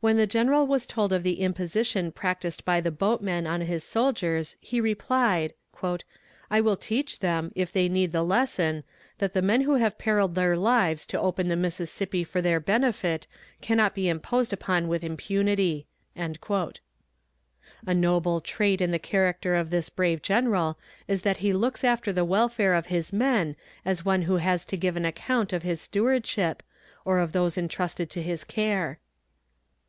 When the General was told of the imposition practiced by the boatmen on his soldiers, he replied: "I will teach them, if they need the lesson, that the men who have periled their lives to open the Mississippi for their benefit cannot be imposed upon with impunity." A noble trait in the character of this brave general is that he looks after the welfare of his men as one who has to give an account of his stewardship, or of those intrusted to his care.